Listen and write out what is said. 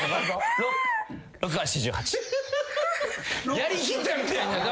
やりきったみたいな顔。